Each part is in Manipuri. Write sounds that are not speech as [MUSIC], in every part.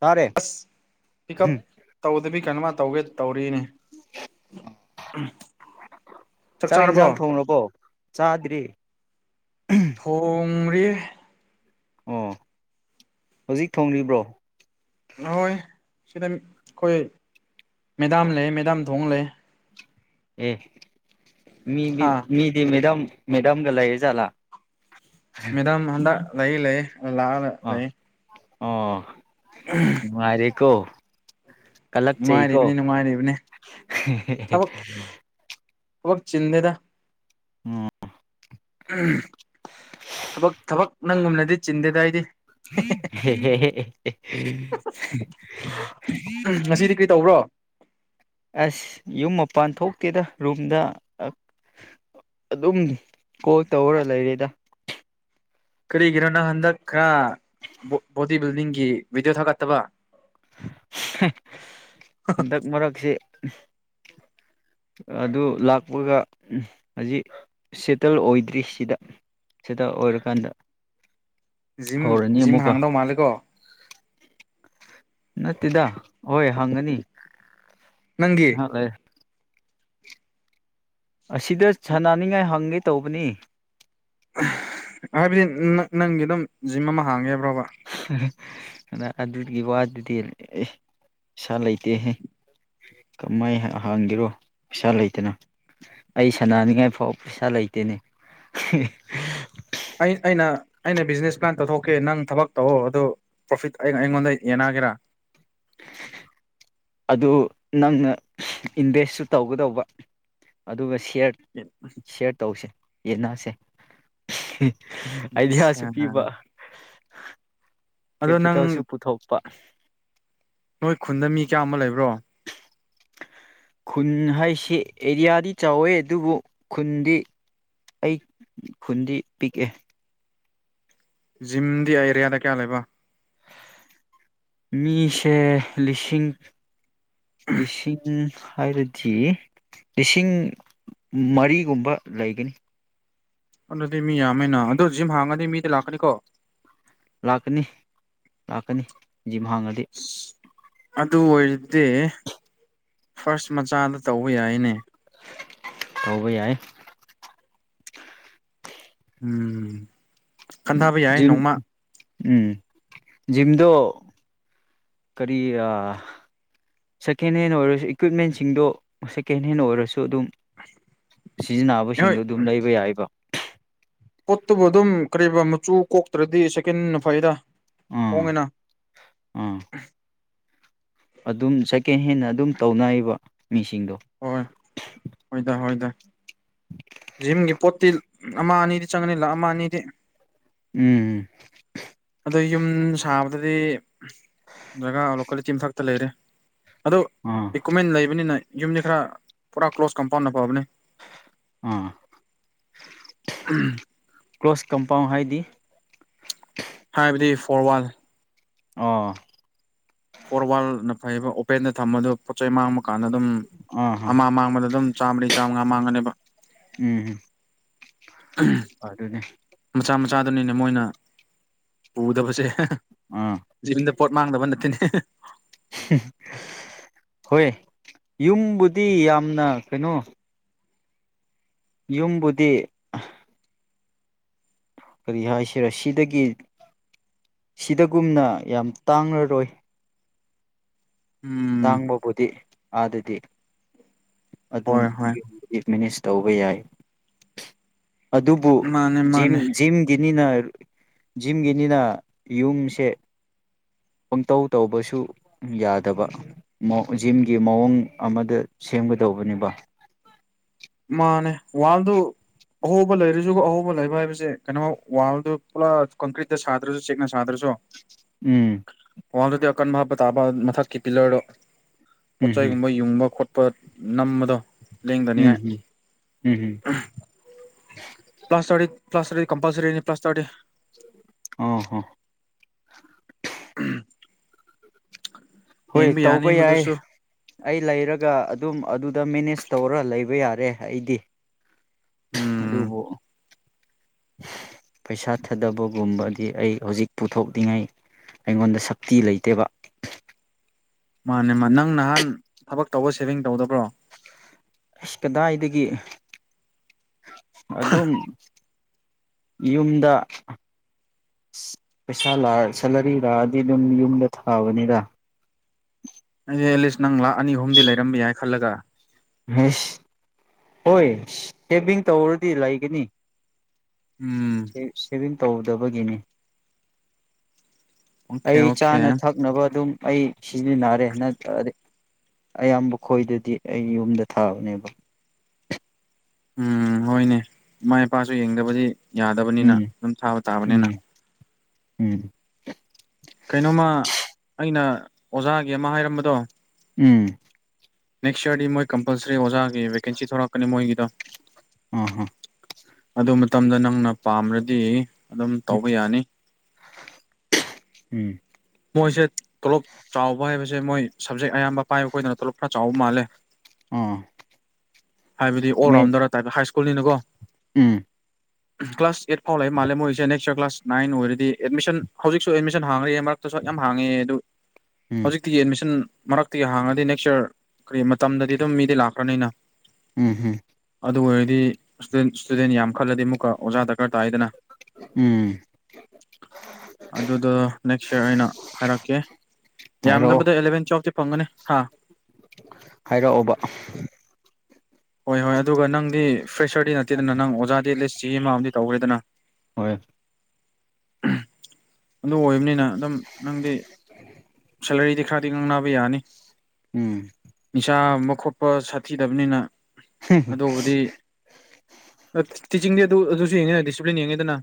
ꯇꯥꯔꯦ ꯑꯁ ꯄꯤꯛ ꯎꯞ ꯇꯧꯗꯕꯤ ꯀꯩꯅꯣꯃ ꯇꯧꯒꯦ ꯇꯧꯔꯤꯅꯤ ꯎ ꯆꯥꯛ ꯏꯟꯁꯥꯡ ꯊꯣꯡꯡꯂꯕꯣ ꯆꯥꯗ꯭ꯔꯤ ꯊꯣꯡꯔꯤ ꯑꯣ ꯍꯧꯖꯤꯛ ꯊꯣꯡꯔꯤꯕ꯭ꯔꯣ ꯑꯣꯏ ꯁꯤꯗ ꯑꯩꯈꯣꯏ ꯃꯦꯗꯥꯝ ꯂꯩ ꯃꯦꯗꯥꯝꯊꯣꯡ ꯂꯩ ꯑꯦ ꯃꯤ ꯍꯥ ꯃꯤꯗꯤ ꯃꯦꯗꯥꯝ ꯃꯦꯗꯥꯝꯒ ꯂꯩꯑ ꯆꯂ ꯃꯦꯗꯥꯝ ꯍꯗ ꯂꯩ ꯂꯩ ꯂ ꯑꯥ ꯂꯩ ꯑꯣ ꯅꯨꯡꯉꯔꯦꯀꯣ ꯅꯨꯡꯉꯥꯏꯔꯤꯕꯅꯤ ꯅꯨꯡꯉꯥꯏꯔꯤꯕꯅꯤ ꯊꯕꯛ ꯕ ꯆꯤꯟꯗꯦꯗ ꯎꯝ ꯊꯕꯛ ꯊꯕꯛ ꯅꯪꯒꯨꯝꯅꯗꯤ ꯆꯤꯟꯗꯦꯗꯥꯏꯗꯤ ꯉꯁꯤꯗꯤ ꯀꯔꯤ ꯇꯧꯕ꯭ꯔꯣ [UNINTELLIGIBLE] ꯑꯁ ꯌꯨꯝ ꯃꯄꯥꯟ ꯊꯣꯛꯇꯦꯗ ꯔꯨꯝꯗ ꯑꯗꯨꯝ ꯀꯣꯜ ꯇꯧꯔ ꯂꯩꯔꯦꯗ ꯀꯔꯤꯒꯤꯅꯣ ꯅꯪ ꯍꯟꯗꯛ ꯈꯔ ꯕꯣꯗꯤ ꯕꯤꯜꯗꯤꯡꯒꯤ ꯚꯤꯗꯤꯑꯣ ꯊꯥꯒꯠꯇꯕ ꯍꯟꯗꯛ ꯃꯔꯛꯁꯤꯦ [UNINTELLIGIBLE] ꯑꯗꯨ ꯂꯥꯛꯄꯒ ꯍꯧꯖꯤꯛ ꯁꯦꯇꯜ ꯑꯣꯏꯗ꯭ꯔꯤꯁꯤꯗ ꯁꯤꯗ ꯑꯣꯏꯔꯀꯥꯟꯗ ꯖꯤꯝ ꯍꯧꯔꯅꯤ ꯖꯤꯝ ꯑꯃꯨꯛꯀ ꯍꯥꯡꯗꯧ ꯃꯥꯂꯦꯀꯣ ꯅꯠꯇꯦꯗ ꯍꯣꯏ ꯍꯪꯉꯅꯤ ꯅꯪꯒꯤ ꯍ ꯑꯁꯤꯗ ꯁꯥꯟꯅꯅꯤꯡꯉꯥꯏ ꯍꯪꯒꯦ ꯇꯧꯕꯅꯤ ꯍꯥꯏꯕꯗꯤ ꯅꯪꯒꯤ ꯑꯗꯨꯝ ꯖꯤꯝ ꯑꯃ ꯍꯥꯡꯉꯦꯕ꯭ꯔꯣꯕ ꯑꯗꯨꯗ ꯑꯗꯨꯒꯤ ꯋꯥꯗꯨꯗꯤ ꯏꯁꯥ ꯂꯩꯇꯦ ꯀꯃꯥꯏ ꯍꯥꯡꯒꯦꯔꯣ ꯄꯩꯁꯥ ꯂꯩꯇꯅ ꯑꯩ ꯁꯅꯥꯅꯤꯡꯉꯥꯏ ꯐꯥꯎꯕ ꯄꯩꯁꯥ ꯂꯩꯇꯦꯅꯦ ꯑꯩꯅ ꯑꯩꯅ ꯕꯤꯖꯤꯅꯦꯁ ꯀ꯭ꯂꯥꯟ ꯇꯧꯊꯣꯛꯀꯦ ꯅꯪ ꯊꯕꯛ ꯇꯧꯑꯣ ꯑꯗꯨ ꯄ꯭ꯔꯣꯐꯤꯠ ꯑꯩ ꯑꯩꯉꯣꯟꯗ ꯌꯦꯟꯅꯒꯦꯔꯥ [INAUDIBLE] ꯑꯗꯨ ꯅꯪꯅ ꯏꯟꯚꯦꯁꯁꯨ ꯇꯧꯒꯗꯧꯕ ꯑꯗꯨꯒ ꯁꯤ ꯁꯤꯌꯔ ꯁꯤꯌꯔ ꯇꯧꯁꯦ ꯌꯦꯟꯅꯁꯦ ꯑꯥꯏꯗꯤꯌꯥꯁꯨ ꯄꯤꯕ ꯑꯗꯣ ꯅꯪ ꯀꯦꯄꯤꯇꯦꯜꯁꯨ ꯄꯨꯊꯣꯛꯄ ꯅꯣꯏ ꯈꯨꯟꯗ ꯃꯤ ꯆꯥꯝꯃ ꯂꯩꯕ꯭ꯔꯣ ꯈꯨꯟ ꯍꯥꯏꯁꯤ ꯑꯦꯔꯤꯌꯥꯗꯤ ꯆꯥꯎꯋꯦ ꯑꯗꯨꯕꯨ ꯈꯨꯟꯗꯤ ꯑꯩ ꯈꯨꯟꯗꯤ ꯄꯤꯛꯑꯦ ꯖꯤꯝꯗꯤ ꯑꯦꯔꯤꯌꯥꯗ ꯀꯌꯥ ꯂꯩꯕ ꯃꯤꯁꯦ ꯂꯤꯁꯤꯡ ꯂꯤꯁꯤꯡ ꯍꯥꯏꯔꯗꯤ ꯂꯤꯁꯤꯡ ꯃꯔꯤꯒꯨꯝꯕ ꯂꯩꯒꯅꯤ ꯑꯗꯨꯗꯤ ꯃꯤ ꯌꯥꯝꯃꯦꯅ ꯑꯗꯣ ꯖꯤꯝ ꯍꯥꯡꯉꯗꯤ ꯃꯤꯗ ꯂꯥꯛꯀꯅꯤꯀꯣ ꯂꯥꯛꯀꯅꯤ ꯂꯥꯛꯀꯅꯤ ꯖꯤꯝ ꯍꯥꯡꯉꯗꯤ ꯑꯗꯨ ꯑꯣꯏꯔꯗꯤ ꯐꯥꯔꯁ ꯃꯆꯥꯗ ꯇꯧꯕ ꯌꯥꯏꯅꯦ ꯇꯧꯕ ꯌꯥꯏ ꯎꯝ ꯈꯟꯊꯕ ꯌꯥꯏ ꯖꯤꯝ ꯅꯣꯡꯃ ꯎꯝ ꯖꯤꯝꯗꯣ ꯀꯔꯤ ꯁꯦꯀꯦꯟ ꯍꯦꯟ ꯑꯣꯏꯔꯁꯨ ꯏꯀ꯭ꯋꯤꯞꯃꯦꯟꯁꯤꯡꯗꯣ ꯁꯦꯀꯦꯟ ꯍꯦꯟ ꯑꯣꯏꯔꯁꯨ ꯑꯗꯨꯝ ꯍꯣꯏ ꯁꯤꯖꯤꯟꯅꯕꯁꯤꯡꯗꯣ ꯑꯗꯨꯝ ꯂꯩꯕ ꯌꯥꯏꯕ ꯀꯣꯛꯇꯨꯕꯨ ꯑꯗꯨꯝ ꯀꯔꯤꯕ ꯃꯆꯨ ꯀꯣꯛꯇ꯭ꯔꯗꯤ ꯁꯦꯀꯟꯅ ꯐꯩꯗ ꯑꯥ ꯍꯣꯡꯉꯦꯅ ꯑꯥ ꯑꯗꯨꯝ ꯁꯦꯀꯦꯟ ꯍꯦꯟꯅ ꯑꯗꯨꯝ ꯇꯧꯅꯩꯕ ꯃꯤꯁꯤꯡꯗꯣ ꯍꯣꯏ ꯍꯣꯏꯗ ꯍꯣꯏꯗ ꯖꯤꯝꯒꯤ ꯄꯣꯠꯇꯤ ꯑꯃ ꯑꯅꯤꯗꯤ ꯆꯪꯒꯅꯤ ꯂꯥꯛ ꯑꯃ ꯑꯅꯤꯗꯤ ꯎꯝ ꯑꯗ ꯌꯨꯝ ꯁꯥꯕꯗꯗꯤ ꯖꯒꯥ ꯂꯣꯀꯦꯜꯂꯤꯇꯤ ꯑꯃꯈꯛꯇ ꯂꯩꯔꯦ ꯑꯗꯣ ꯑꯥ ꯏꯀ꯭ꯋꯞꯃꯦꯟ ꯂꯩꯕꯅꯤꯅ ꯌꯨꯝꯗꯤ ꯈꯔ ꯄꯨꯔꯥ ꯀ꯭ꯂꯣꯁ ꯀꯝꯄꯥꯎꯅ ꯐꯕꯅꯦ ꯑꯥ ꯎꯝ ꯀ꯭ꯂꯣꯁ ꯀꯝꯄꯥꯎꯟ ꯍꯥꯏꯗꯤ ꯍꯥ ꯏꯕꯤꯗꯤ ꯐꯣꯔꯋꯥꯜ ꯑ ꯐꯣꯔ ꯋꯥꯔꯜꯅ ꯐꯩꯕ ꯑꯣꯄꯦꯟꯗ ꯊꯝꯕꯗꯣ ꯄꯣꯠ ꯆꯩ ꯃꯥꯡꯕ ꯀꯥꯟꯗ ꯑꯗꯨꯝ ꯑꯥ ꯑꯥ ꯑꯃ ꯃꯥꯡꯕꯗ ꯑꯗꯨꯝ ꯆꯥꯃꯔꯤ ꯆꯥꯝꯉꯥ ꯃꯥꯡꯒꯅꯦꯕ ꯎꯝ ꯑꯗꯨꯅꯦ ꯆꯥꯗꯅꯤꯅ ꯃꯣꯏꯅ ꯄꯨꯗꯕꯁꯦ ꯑꯥ ꯖꯤꯕꯟꯗ ꯄꯣꯠ ꯃꯥꯡꯗꯕ ꯅꯠꯇꯦꯅꯦ ꯍꯣꯏ ꯌꯨꯝꯕꯨꯗꯤ ꯌꯥꯝꯅ ꯀꯩꯅꯣ ꯌꯨꯝꯕꯨꯗꯤ ꯀꯔꯤ ꯍꯥꯏꯁꯤ ꯔꯁꯤꯗꯒꯤ ꯁꯤꯗꯒꯨꯝꯅ ꯌꯥꯝ ꯇꯥꯡꯂꯔꯣꯏ ꯎꯝ ꯇꯥꯡꯕꯕꯨꯗꯤ ꯑꯥꯗꯗꯤ ꯑꯗꯨꯝ ꯍꯣꯏ ꯍꯣꯏ ꯌꯨꯝꯗꯤ ꯃꯦꯅꯦꯖ ꯇꯧꯕ ꯌꯥꯏ ꯑꯗꯨꯕꯨ ꯃꯥꯅꯦ ꯃꯥꯅꯦ ꯖꯤꯝ ꯅꯤꯅ ꯖꯤꯝꯒꯤꯅꯤꯅ ꯌꯨꯝꯁꯦ ꯄꯪꯇꯧ ꯇꯧꯕꯁꯨ ꯌꯥꯗꯕ ꯖꯤꯝꯒꯤ ꯃꯑꯣꯡ ꯑꯃꯗ ꯁꯦꯝꯒꯗꯧꯕꯅꯦꯕ ꯃꯥꯅꯦ ꯋꯥꯜꯗꯨ ꯑꯍꯣꯕ ꯂꯩꯔꯁꯨꯒ ꯑꯍꯣꯕ ꯂꯩꯕ ꯍꯥꯏꯕꯁꯦ ꯀꯩꯅꯣ ꯋꯥꯜꯗ ꯄꯨꯂꯥ ꯀꯪꯀ꯭ꯔꯤꯠꯇ ꯁꯥꯗ꯭ꯔꯁꯨ ꯆꯦꯛꯅꯁꯤ ꯁꯥꯗ꯭ꯔꯁꯨ ꯎꯝ ꯋꯥꯜꯗꯨꯗꯤ ꯑꯀꯟꯕ ꯍꯥꯞꯄ ꯇꯥꯕ ꯃꯊꯛꯀꯤ ꯄꯤꯂꯔꯗꯣ ꯎꯝ ꯎꯝ ꯄꯣꯠꯆꯩꯒꯨꯝꯕ ꯌꯨꯡꯕ ꯈꯣꯠꯄ ꯅꯝꯕꯗꯣ ꯂꯦꯡꯗꯅꯤꯉꯥꯏ ꯎꯝ ꯎꯝ ꯎꯝ ꯎꯝ ꯄ꯭ꯂꯥꯁ ꯊꯔꯇꯗꯤ ꯀꯝꯄꯜꯁꯔꯤꯅꯤ ꯄ꯭ꯂꯥꯁ ꯊꯔꯇꯗꯤ ꯑ ꯍ ꯎꯝ ꯍꯣꯏ ꯇꯧꯕ ꯌꯥꯏ ꯃꯗꯨꯁꯨ ꯑꯩ ꯂꯩꯔꯒ ꯑꯗꯨꯝ ꯑꯗꯨꯗ ꯃꯦꯅꯦꯖ ꯇꯧꯔ ꯂꯩꯕ ꯌꯥꯔꯦ ꯑꯩꯗꯤ ꯎꯝ ꯑꯗꯨꯕꯨ [INAUDIBLE] ꯄꯩꯁꯥ ꯊꯥꯗꯕꯒꯨꯝꯕꯗꯤ ꯑꯩ ꯍꯧꯖꯤꯛ ꯄꯨꯊꯣꯛꯂꯤꯉꯩ ꯑꯩꯉꯣꯟꯗ ꯁꯛꯇꯤ ꯂꯩꯇꯦꯕ ꯃꯥꯅꯦ ꯃꯥ ꯅꯪ ꯅꯍꯥꯟ ꯊꯕꯛ ꯇꯧꯕ ꯁꯦꯚꯤꯡ ꯇꯧꯗꯕ꯭ꯔꯣ ꯀꯗꯥꯏꯗꯒꯤ ꯑꯗꯨꯝ ꯌꯨꯝꯗ ꯄꯩꯁꯥ ꯁꯦꯂꯔꯤ ꯂꯥꯛꯑꯗꯤ ꯑꯗꯨꯝ ꯌꯨꯝꯗ ꯊꯥꯕꯅꯤꯔ [UNINTELLIGIBLE] ꯑ ꯑꯦꯂꯤꯁ ꯅꯪ ꯂꯥꯛ ꯑꯅꯤ ꯑꯍꯨꯝꯗꯤ ꯂꯩꯔꯝꯝꯕ ꯌꯥꯏ ꯈꯜꯂꯒ ꯁ ꯍꯣꯏ ꯇꯦꯕꯤꯡ ꯇꯧꯔꯗꯤ ꯂꯩꯒꯅꯤ ꯎꯝ ꯁꯦꯚꯤꯡ ꯇꯧꯗꯕꯒꯤꯅꯤ ꯑꯣꯀꯦ ꯑꯩ ꯑꯣꯀꯦ ꯆꯥꯅ ꯊꯛꯅꯕ ꯑꯗꯨꯝ ꯑꯩ ꯁꯤꯖꯤꯟꯅꯔꯦꯅꯗꯤ ꯑꯌꯥꯝꯕ ꯈꯣꯏꯗꯗꯤ ꯑꯩ ꯌꯨꯝꯗ ꯊꯥꯕꯅꯦꯕ ꯎꯝ ꯍꯣꯏꯅꯦ ꯏꯃꯥ ꯏꯄꯥꯁꯨ ꯌꯦꯡꯗꯕꯗꯤ ꯌꯥꯗꯕꯅꯤꯅ ꯎꯝ ꯑꯗꯨꯝ ꯊꯥꯕ ꯎꯝ ꯇꯥꯕꯅꯤꯅ ꯎꯝ ꯀꯩꯅꯣꯃ ꯑꯩꯅ ꯑꯣꯖꯥꯒꯤ ꯑꯃ ꯍꯥꯏꯔꯝꯕꯗꯣ ꯎꯝ ꯅꯦꯛꯁ ꯌꯥꯔꯗꯤ ꯃꯣꯏ ꯀꯝꯄꯜꯁꯔꯤ ꯑꯣꯖꯥꯒꯤ ꯚꯦꯀꯦꯟꯁꯤ ꯊꯣꯔꯛꯀꯅꯤ ꯃꯣꯏꯒꯤꯗ ꯑ ꯍ ꯑꯗꯨ ꯃꯇꯝꯗ ꯅꯪꯅ ꯄꯥꯝ꯭ꯔꯗꯤ ꯑꯗꯨꯝ ꯇꯧꯕ ꯌꯥꯅꯤ ꯎꯝ ꯃꯣꯏꯁꯦ ꯇꯣꯂꯣꯞ ꯆꯥꯎꯕ ꯍꯥꯏꯕꯁꯦ ꯃꯣꯏ ꯁꯕꯖꯦꯛ ꯑꯌꯥꯝꯕ ꯄꯥꯏꯕ ꯈꯣꯏꯗꯅ ꯇꯣꯂꯣꯞ ꯈꯔ ꯆꯥꯎꯕ ꯃꯥꯜꯂꯦ ꯑꯥ ꯍꯥꯏꯕꯗꯤ ꯑꯣꯜ ꯃꯦꯟ ꯔꯥꯎꯟꯗꯔ ꯍꯥꯏ ꯁ꯭ꯀꯨꯜꯅꯤꯅꯀꯣ ꯎꯝ ꯀ꯭ꯂꯥꯁ ꯑꯩꯠ ꯐꯥꯎ ꯂꯥꯛꯏ ꯃꯥꯜꯂꯦ ꯃꯣꯏꯁꯦ ꯅꯦꯛꯁꯔ ꯀ꯭ꯂꯥꯁ ꯅꯥꯏꯟ ꯑꯣꯏꯔꯗꯤ ꯑꯦꯗꯃꯤꯁꯟ ꯍꯧꯖꯤꯛꯁꯨ ꯑꯦꯗꯃꯤꯁꯟ ꯍꯥꯡꯉ꯭ꯔꯦ ꯁꯨꯠ ꯌꯥꯝ ꯍꯥꯡꯉꯦ ꯑꯗꯨ ꯎꯝ ꯍꯧꯖꯤꯛꯇꯤ ꯑꯦꯠꯃꯤꯁꯟ ꯃꯔꯛꯇꯒꯤ ꯍꯥꯡꯉꯗꯤ ꯅꯦꯛꯁ ꯌꯔ ꯀꯔꯤ ꯃꯇꯝꯗꯗꯤ ꯑꯗꯨꯝ ꯃꯤꯗꯤ ꯂꯥꯛꯈ꯭ꯔꯅꯤꯅ ꯎꯝ ꯍꯝ ꯑꯗꯨ ꯑꯣꯏꯔꯗꯤ ꯏꯁꯇꯨꯗꯦꯟ ꯌꯥꯝ ꯈꯜꯂꯗꯤ ꯑꯃꯨꯛꯀ ꯑꯣꯖꯥ ꯗꯔꯀꯥꯔ ꯇꯥꯏꯗꯅ ꯎꯝ ꯑꯗꯨꯗ ꯅꯦꯛ ꯁꯦ ꯑꯩꯅ ꯍꯥꯏꯔꯛꯀꯦ ꯍꯥꯏꯔꯛꯑꯣ ꯌꯥꯝꯗꯕꯗ ꯑꯦꯂꯚꯦꯟ ꯇꯨꯌꯦꯜꯐꯇꯤ ꯐꯪꯒꯅꯤ ꯍꯥ ꯍꯥꯏꯔꯛꯑꯣꯕ ꯍꯣꯏ ꯍꯣꯏ ꯑꯗꯨꯒ ꯅꯪꯗꯤ ꯐ꯭ꯔꯦꯁꯔꯗꯤ ꯅꯠꯇꯦꯗꯅ ꯅꯪ ꯑꯣꯖꯥꯗꯤꯠ ꯂꯤꯁ ꯆ ꯑꯃ ꯑꯝ ꯇꯧꯈ꯭ꯔꯦꯗꯅ ꯍꯣꯏ ꯑꯗꯨ ꯑꯣꯏꯕꯅꯤꯅ ꯑꯗꯨꯝ ꯅꯪꯗꯤ ꯁꯦꯂꯔꯤꯗꯤ ꯈꯔꯗꯤ ꯉꯥꯡꯅꯕ ꯌꯥꯅꯤ ꯎꯝ ꯅꯤꯁꯥꯝꯕ ꯈꯣꯠꯄ ꯁꯥꯊꯤꯗꯕꯅꯤꯅ ꯑꯗꯨꯕꯨꯗꯤ ꯇꯤꯆꯤꯡꯗꯤ ꯑꯗꯨ ꯑꯗꯨꯁꯨ ꯌꯦꯡꯉꯦꯅ ꯗꯤꯁꯤꯄ꯭ꯂꯤꯟ ꯌꯦꯡꯉꯦꯗꯅ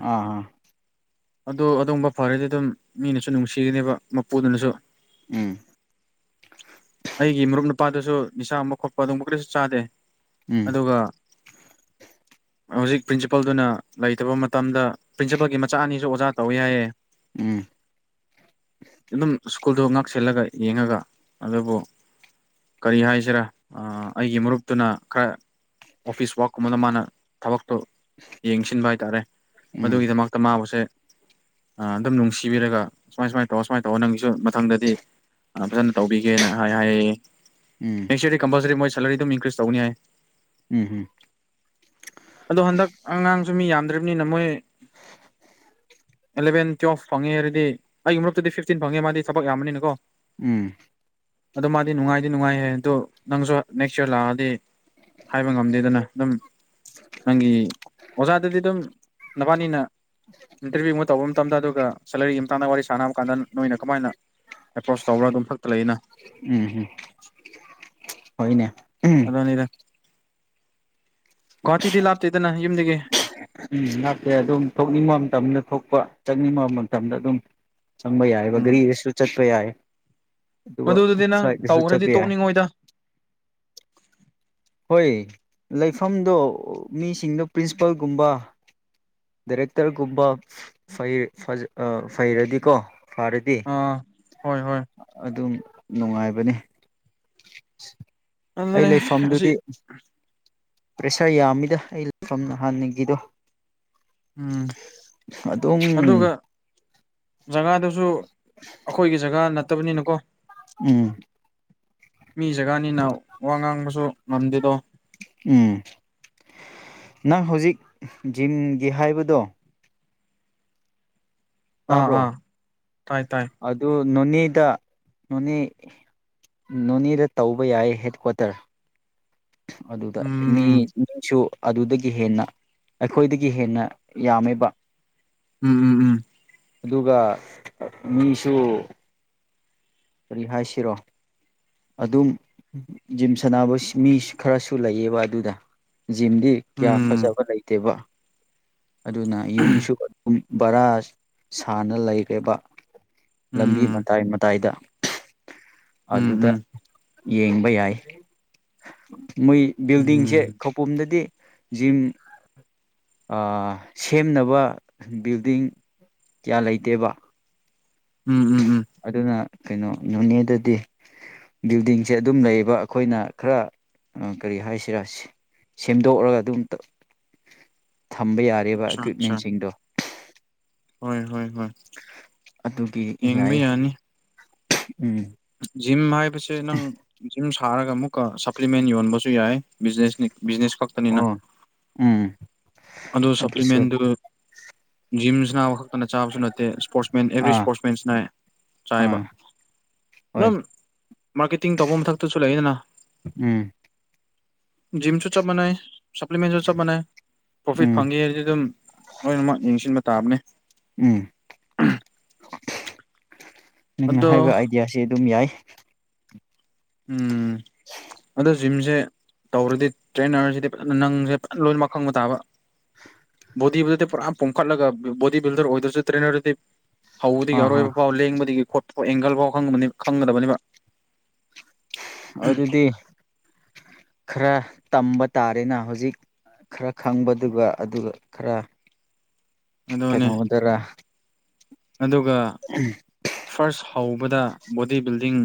ꯑ ꯑ ꯑꯗ ꯑꯗꯨꯒꯨꯝꯕ ꯐꯔꯗꯤ ꯑꯗꯨꯝ ꯃꯤꯅꯁꯨ ꯅꯨꯡꯁꯤꯒꯅꯦꯕ ꯃꯄꯨꯗꯨꯅꯁꯨ ꯎꯝ ꯑꯩꯒꯤ ꯃꯔꯨꯞ ꯅꯨꯄꯥꯗꯁꯨ ꯅꯤꯁꯥ ꯑꯃ ꯈꯣꯠꯄ ꯑꯗꯨꯒꯕ ꯀ ꯆꯥꯗꯦ ꯎꯝ ꯑꯗꯨꯒ ꯍꯧꯖꯤꯛ ꯄ꯭ꯔꯤꯟꯁꯤꯄꯜꯗꯨꯅ ꯂꯩꯇꯕ ꯃꯇꯝꯗ ꯄ꯭ꯔꯤꯟꯁꯤꯄꯜꯒꯤ ꯃꯆꯥ ꯑꯅꯤꯁꯨ ꯑꯣꯖꯥ ꯇꯧ ꯌꯥꯏꯌꯦ ꯎꯝ ꯑꯗꯨꯝ ꯁ꯭ꯀꯨꯜꯗꯣ ꯉꯥꯛꯁꯜꯂꯒ ꯌꯦꯡꯉꯒ ꯑꯗꯨꯕꯨ ꯀꯔꯤ ꯍꯥꯏꯁꯤꯔꯥ ꯑꯩꯒꯤ ꯃꯔꯨꯞꯇꯨꯅ ꯈꯔ ꯑꯣꯐꯤꯁꯁ ꯋꯥꯛ ꯃꯗ ꯃꯥ ꯇꯕꯛꯇꯛꯇꯣ ꯌꯦꯡꯁꯤꯟꯕ ꯍꯥꯏꯇꯥꯔꯦ ꯎꯝ ꯃꯗꯨꯒꯤꯗꯃꯛꯇ ꯃꯥꯕꯨꯁꯦ ꯑꯗꯨꯝ ꯅꯨꯡꯁꯤꯕꯤꯔꯒ ꯁꯨꯃꯥꯏ ꯁꯨꯃꯥꯏꯅ ꯇꯧꯔ ꯁꯨꯃꯥꯏꯅ ꯇꯧꯔ ꯅꯪꯒꯤꯁꯨ ꯃꯊꯪꯗꯗꯤ ꯐꯖꯅ ꯇꯧꯕꯤꯒꯦꯅ ꯍꯥꯏ ꯎꯝ ꯍꯥꯏꯌꯦꯔꯗꯤ ꯀꯝꯄꯜꯁꯔꯤꯣꯏ ꯁꯦꯂꯔꯤ ꯑꯗꯨꯝ ꯏꯟꯀ꯭ꯔꯤꯁ ꯇꯧꯅꯤ ꯌꯥꯏ ꯎꯝ ꯑꯗꯣ ꯍꯟꯗꯛ ꯑꯉꯥꯡꯁꯨ ꯃꯤ ꯌꯥꯝꯗ꯭ꯔꯔꯤꯕꯅꯤꯅ ꯃꯣꯏ ꯑꯦꯂꯚꯦꯟ ꯇꯨꯋꯦꯜꯐ ꯐꯪꯉꯦ ꯍꯥꯏꯗꯤ ꯑꯩꯒꯤ ꯃꯔꯛꯇꯗꯤ ꯐꯤꯐꯇꯤꯟ ꯐꯪꯉꯦ ꯃꯥꯗꯤ ꯊꯕꯛ ꯌꯥꯝꯃꯅꯤꯅꯀꯣ ꯎꯝ ꯑꯗꯣ ꯃꯥꯗꯤ ꯅꯨꯡꯉꯥꯏꯗꯤ ꯅꯨꯡꯉꯥꯏꯍꯦ ꯑꯗꯨꯗꯣ ꯅꯪꯁꯨ ꯅꯦꯛꯁ ꯏꯌꯥꯔ ꯂꯥꯛꯑꯗꯤ ꯍꯥꯏꯕ ꯉꯝꯗꯦꯗꯅ ꯑꯗꯨꯝ ꯅꯪꯒꯤ ꯑꯣꯖꯥꯗꯗꯤ ꯑꯗꯨꯝ ꯅꯕꯥꯅꯤꯅ ꯏꯟꯇꯔꯚꯤꯌꯨ ꯑꯃ ꯇꯧꯕ ꯃꯇꯝꯗ ꯑꯗꯨꯒ ꯁꯦꯂꯔꯤꯒꯤ ꯃꯇꯥꯡꯗ ꯋꯥꯔꯤ ꯁꯥꯟꯅꯕ ꯀꯥꯟꯗ ꯅꯣꯏꯅ ꯀꯃꯥꯏꯅ ꯑꯦꯄ꯭ꯔꯣꯁ ꯇꯧꯕ꯭ꯔꯥ ꯑꯗꯨꯝ ꯈꯛꯇ ꯂꯩꯩꯅ ꯎꯝ ꯍꯣꯏꯅꯦ ꯑꯣꯅꯤꯗ ꯒꯨꯍꯥꯇꯤꯗꯤ ꯂꯥꯞꯇꯦꯗꯅ ꯌꯨꯝꯗꯒꯤ ꯎꯝ ꯉꯥꯛꯇꯦ ꯑꯗꯨꯝ ꯊꯣꯛꯅꯤꯡꯕ ꯃꯇꯝꯗ ꯊꯣꯛꯄ ꯆꯠꯅꯤꯡꯕ ꯃꯇꯝꯗ ꯑꯗꯨꯝ ꯆꯝꯕꯩ ꯍꯥꯏ ꯒꯔꯤ ꯎꯝ ꯁꯨ ꯆꯠꯄꯏ ꯃꯗꯨꯗꯨꯗꯤ ꯅꯪ ꯑꯗꯨꯕꯨꯁꯨ ꯆ ꯇꯧꯈ꯭ꯔꯗꯤ ꯄꯥꯏ ꯇꯣꯛꯅꯤꯡꯉꯣꯏꯗ ꯍꯣꯏ ꯂꯩꯐꯝꯗꯣ ꯃꯤꯁꯤꯡꯗꯣ ꯄ꯭ꯔꯤꯟꯁꯤꯄꯥꯜꯒꯨꯝꯕ ꯗꯥꯏꯔꯦꯛꯇꯔꯒꯨꯝꯕ ꯐꯩꯔꯗꯤꯀꯣ ꯐꯔꯗꯤ ꯑꯥ ꯍꯣꯏ ꯍꯣꯏ ꯑꯗꯨꯝ ꯅꯨꯡꯉꯥꯏꯕꯅꯤ ꯑꯩ ꯑꯗꯨꯅꯦ ꯑꯁꯤ ꯂꯩꯐꯝꯗꯨꯗꯤ ꯄ꯭ꯔꯦꯁꯥꯔ ꯌꯥꯝꯃꯤꯗ ꯑꯩꯐꯝ ꯅ ꯍꯥꯟꯒꯤꯗꯣ ꯎꯝ ꯑꯗꯨꯝ ꯑꯗꯨꯒ ꯖꯒꯥꯗꯨꯁꯨ ꯑꯩꯈꯣꯏꯒꯤ ꯖꯒꯥ ꯅꯠꯇ ꯎꯝ ꯃꯤ ꯒꯥꯅꯤꯅꯅꯥ ꯋꯥ ꯉꯥꯡꯕꯁꯨ ꯉꯝꯗꯤꯗꯣ ꯎꯝ ꯅꯪ ꯍꯧꯖꯤꯛ ꯖꯤꯝꯒꯤ ꯍꯥꯏꯕꯗꯣ ꯑꯥ ꯑꯥ ꯇꯥꯏ ꯇꯥꯏ ꯅꯣꯅꯤꯗ ꯅꯣꯅꯤ ꯅꯣꯅꯤꯗ ꯇꯧꯕ ꯌꯥꯏ ꯍꯦꯠꯀ꯭ꯋꯥꯇꯔ ꯑꯗꯨꯗ ꯎꯝ ꯃꯤꯁꯨ ꯑꯗꯨꯗꯒꯤ ꯍꯦꯟꯅ ꯑꯩꯈꯣꯏꯗꯒꯤ ꯍꯦꯟꯅ ꯌꯥꯝꯃꯤꯕ ꯎꯝ ꯎꯝ ꯎꯝ ꯑꯗꯨꯒ ꯃꯤꯁꯨ ꯔꯔꯤꯍꯏꯁꯤꯔꯣ ꯑꯗꯨꯝ ꯖꯤꯝ ꯁꯥꯟꯅꯕ ꯃꯤ ꯈꯔꯁꯨ ꯂꯩꯑꯕ ꯑꯗꯨꯗ ꯖꯤꯝꯗꯤ ꯀꯌꯥ ꯎꯝ ꯐꯖꯕ ꯂꯩꯇꯦꯕ ꯑꯗꯨꯅ ꯌꯨꯝꯁꯨ ꯑꯗꯨꯝ ꯕꯔꯥ ꯁꯥꯟꯅ ꯂꯩꯔꯦꯕ ꯂꯝꯕꯤ ꯎꯝ ꯃꯇꯥꯏ ꯃꯇꯥꯏꯗ ꯎꯝ ꯎꯝ ꯑꯗꯨꯗ ꯎꯝ ꯌꯦꯡꯕ ꯌꯥꯏ ꯃꯣꯏ ꯎꯝ ꯕꯤꯜꯗꯤꯡꯁꯦ ꯈꯧꯄꯨꯝꯗꯗꯤ ꯖꯤꯝ ꯁꯦꯝꯅꯕ ꯕꯤꯜꯗꯤꯡ ꯀꯌꯥ ꯂꯩꯇꯦꯕ ꯎꯝ ꯎꯝ ꯎꯝ ꯑꯗꯨꯅ ꯀꯩꯅꯣ ꯅꯣꯅꯦꯗꯗꯤ ꯕꯤꯜꯗꯤꯡꯁꯦ ꯑꯗꯨꯝ ꯂꯩꯌꯦꯕ ꯑꯩꯈꯣꯏꯅ ꯈꯔ ꯀꯔꯤ ꯍꯥꯏꯁꯤꯔꯁꯤ ꯁꯦꯝꯗꯣꯛꯔꯒ ꯑꯗꯨ ꯑꯝꯇ [INAUDIBLE] ꯊꯝꯕ ꯌꯥꯔꯤꯕ ꯑꯆꯥ ꯑꯆꯥ ꯏꯀ꯭ꯋꯤꯞꯃꯦꯟꯁꯤꯡꯗꯣ ꯍꯣꯏ ꯍꯣꯏ ꯍꯣꯏ ꯑꯗꯨꯒꯤ ꯌꯦꯡꯕ ꯌꯥꯏꯌꯦ ꯌꯥꯅꯤ ꯎꯝ ꯖꯤꯝ ꯍꯥꯏꯕꯁꯦ ꯅꯪ ꯖꯤꯝ ꯁꯥꯔꯒ ꯑꯃꯨꯛꯀ ꯁꯄ꯭ꯂꯤꯃꯦꯟ ꯌꯣꯟꯕꯁꯨ ꯌꯥꯏ ꯕꯤꯖꯤꯅꯦꯁꯅꯤ ꯕꯤꯖꯤꯅꯦꯁ ꯈꯛꯇꯅꯤꯅ ꯑꯣ ꯎꯝ ꯑꯗꯨ ꯑꯗꯨꯁꯨ ꯁꯞ꯭ꯂꯤꯃꯦꯟꯗꯨꯗ ꯖꯤꯝ ꯁꯥꯟꯅꯕ ꯈꯛ ꯀꯅ ꯆꯥꯕꯁꯨ ꯅꯠꯇꯦ ꯏꯁꯄꯣꯔꯠꯁꯃꯦꯟ ꯑꯦꯕ꯭ꯔꯤ ꯑꯥ ꯏꯁꯄꯣꯔꯠꯁꯃꯦꯟꯁꯤꯅ ꯆꯥꯏꯌꯦꯕ ꯑꯥ ꯍꯣꯏ ꯑꯗꯨꯝ ꯃꯥꯔꯀꯦꯇꯤꯡ ꯇꯧꯕ ꯃꯊꯛꯇꯁꯨ ꯂꯩꯌꯦꯗꯅ ꯎꯝ ꯖꯤꯝꯁꯨ ꯆꯞ ꯃꯅꯩ ꯁꯄ꯭ꯂꯤꯃꯦꯟꯖꯨ ꯆꯞ ꯃꯥꯅꯩ꯫ ꯄ꯭ꯔꯣꯐꯤꯠ ꯎꯝ ꯐꯪꯉꯦ ꯍꯥꯏꯗꯤ ꯑꯗꯨꯝ ꯂꯣꯏꯅꯃꯛ ꯌꯦꯡꯁꯤꯟꯕ ꯇꯥꯕꯅꯦ ꯎꯝ ꯎꯍꯨꯝ ꯪꯅꯪꯅ ꯍꯥꯏꯕ ꯑꯥꯏꯗꯤꯌꯥꯁꯤ ꯑꯗꯨꯝ ꯌꯥꯏ ꯎꯝ ꯑꯗꯣ ꯖꯤꯝꯖꯦ ꯇꯧꯔꯗꯤ ꯇ꯭ꯔꯦꯅꯔꯁꯤꯗꯤ ꯐꯖꯅ ꯅꯪꯖꯦ ꯐꯖ ꯂꯣꯏꯃꯛ ꯈꯪꯕ ꯇꯥꯕ [INAUDIBLE] ꯕꯣꯗꯤꯕꯨꯗꯤ ꯄꯨꯔꯥ ꯄꯣꯝꯈꯠꯂꯒ ꯕꯣꯗꯤ ꯕꯤꯜꯗꯔ ꯑꯣꯏꯗ꯭ꯔꯁꯨ ꯇ꯭ꯔꯦꯅꯔꯗꯨꯗꯤ ꯍꯧꯕꯗꯒꯤ ꯑꯥ ꯑꯥ ꯑꯔꯣꯏꯕ ꯐꯥꯎ ꯂꯦꯡꯕꯗꯒꯤ ꯈꯣꯄ ꯑꯦꯡꯒꯜ ꯐꯥꯎ ꯈꯪꯒ ꯈꯪꯒꯗꯕꯅꯤꯕ ꯑꯗꯨꯗꯤ ꯈꯔ ꯇꯝꯕ ꯇꯥꯔꯦꯅ ꯍꯧꯖꯤꯛ ꯈꯔ ꯈꯪꯕꯗꯨꯒ ꯑꯗꯨꯒ ꯈꯔ ꯑꯗꯨꯅꯦ ꯀꯩꯅꯣ ꯗꯔꯥ ꯑꯗꯨꯒ ꯐꯥꯔꯁ ꯍꯧꯕꯗ ꯕꯣꯗꯤ ꯕꯤꯜꯗꯤꯡ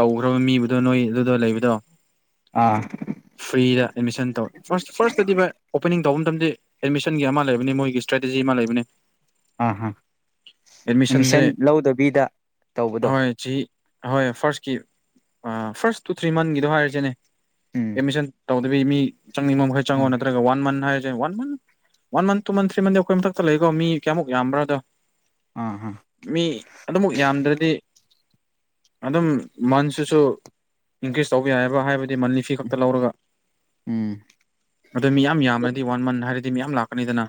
ꯇꯧꯈ꯭ꯔꯕ ꯃꯤꯕꯨꯗꯣ ꯅꯣꯏ ꯑꯗꯨꯗ ꯂꯩꯕꯗꯣ ꯑꯥ ꯐ꯭ꯔꯤꯗ ꯑꯦꯗꯃꯤꯁꯟ ꯇꯧ ꯐꯥꯔꯁ ꯐꯥꯔꯁꯇꯗꯤꯕ ꯑꯣꯄꯅꯤꯡ ꯇꯧꯕ ꯃꯇꯝꯗꯤ ꯑꯦꯗꯃꯤꯁꯟꯒꯤ ꯑꯃ ꯂꯩꯕꯅꯤ ꯃꯣꯏꯒꯤ ꯏꯁꯇ꯭ꯔꯦꯇꯦꯖꯤ ꯑꯃ ꯂꯩꯕꯅꯤ ꯑꯍꯥ ꯑꯦꯗꯃꯤꯁꯟꯁꯦ ꯑꯦꯠꯃꯤꯁꯟ ꯂꯧꯗꯕꯤꯗ ꯇꯧꯕꯗꯣ ꯑꯍꯣꯏ ꯐꯥꯔꯁꯀꯤ ꯑꯥ ꯐꯥꯔꯁ ꯇꯨ ꯊ꯭ꯔꯤ ꯃꯟꯒꯤꯗꯣ ꯍꯥꯏꯔꯤꯁꯤꯅꯦ ꯎꯝ ꯑꯦꯃꯤꯁꯟ ꯇꯧꯗꯕꯤ ꯃꯤ ꯆꯪꯅꯤꯡꯕ ꯃꯈꯩ ꯆꯪꯉꯣ ꯎꯝ ꯅꯠꯇ꯭ꯔꯒ ꯋꯥꯟ ꯃꯟ ꯍꯥꯏ one month one month two month three ꯃꯟꯗꯤ ꯑꯈꯣꯏ ꯃꯊꯛꯇ ꯂꯩꯀꯣ ꯃꯤ ꯀꯌꯥꯃꯨꯛ ꯌꯥꯝꯕ꯭ꯔꯥꯗꯣ ꯑꯥ ꯑꯥ ꯃꯤ ꯑꯗꯨꯃꯛ ꯌꯥꯝꯗ꯭ꯔꯗꯤ ꯑꯗꯨꯝ ꯃꯟꯁꯤꯁꯨ ꯏꯟꯀ꯭ꯔꯤꯖ ꯇꯧꯕ ꯌꯥꯏꯑꯕ ꯍꯥꯏꯕ ꯗꯤ ꯃꯟꯠꯂꯤ ꯐꯤ ꯈꯛꯇ ꯂꯧꯔꯒ ꯎꯝ ꯑꯗꯨ ꯃꯤ ꯌꯥꯝ ꯌꯥꯝꯃꯗꯤ ꯋꯥꯟ ꯃꯟꯠ ꯍꯥꯏꯔ ꯗꯤ ꯃꯤ ꯌꯥꯝ ꯂꯥꯛꯀꯅꯤꯗꯅ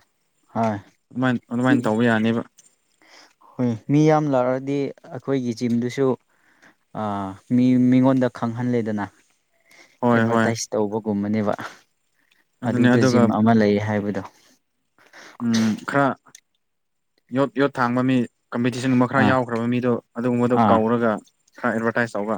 ꯍꯣꯏ ꯑꯗꯨꯃꯥꯏ ꯑꯗꯨꯃꯥꯏꯅ ꯇꯧꯕ ꯌꯥꯅꯦꯕ ꯍꯣꯏ ꯃꯤ ꯌꯥꯝ ꯂꯥꯛꯑꯗꯤ ꯑꯈꯣꯏꯒꯤ ꯖꯤꯝꯗꯨꯁꯨ ꯑ ꯃꯤ ꯃꯤꯉꯣꯟꯗ ꯈꯪꯍꯜꯂꯦꯗꯅ ꯍꯣꯏ ꯑꯦꯚꯔꯇꯥꯏꯁ ꯇꯧꯕꯒꯨꯝꯕꯅꯦꯕ ꯑꯗꯨꯅꯤ ꯑꯗꯨꯗ ꯑꯗꯨꯒ ꯖꯤꯝ ꯑꯃ ꯂꯩ ꯍꯥꯏꯕꯗꯣ ꯎꯝ ꯈꯔ ꯌꯣꯠ ꯌꯣꯠ ꯊꯥꯡꯕ ꯃꯤ ꯀꯝꯄꯤꯇꯤꯁꯟꯒꯨꯝꯕ ꯈꯔ ꯑꯥ ꯌꯥꯎꯈ꯭ꯔꯕ ꯃꯤꯗꯣ ꯑꯗꯨꯒꯨꯝꯕꯗꯣ ꯑꯥ ꯀꯧꯔꯒ ꯈꯔ ꯑꯦꯗꯚꯔꯇꯥꯏꯁ ꯇꯧꯕ